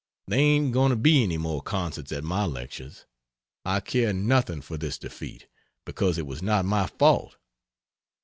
There ain't going to be any more concerts at my lectures. I care nothing for this defeat, because it was not my fault.